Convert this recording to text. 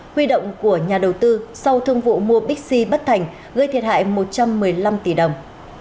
huy động của nhà đầu tư sau thương vụ mua bixi bất thành gây thiệt hại một trăm một mươi năm tỷ đồng